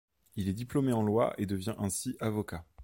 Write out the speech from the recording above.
Il est diplômé en loi et devient ainsi avocat.